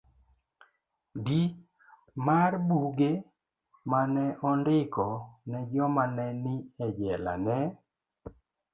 d. mar Buge ma ne ondiko ne joma ne ni e jela ne